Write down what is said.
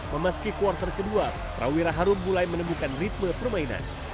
memasuki quarter ke dua trawira harum mulai menemukan ritme permainan